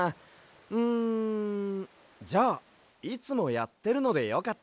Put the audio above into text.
んじゃあいつもやってるのでよかったら。